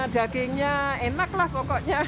dagingnya enak lah pokoknya